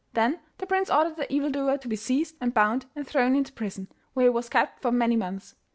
Then the prince ordered the evil doer to be seized and bound and thrown into prison, where he was kept for many months.